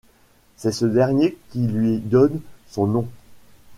C'est ce dernier qui lui donne son nom.